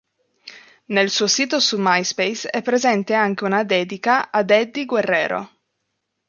Nel suo sito su My Space è presente anche una dedica ad Eddie Guerrero.